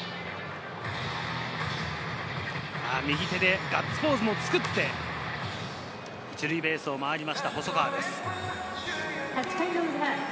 右手でガッツポーズを作って、１塁ベースを回りました、細川です。